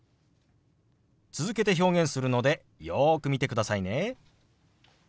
続けて表現するのでよく見てくださいね。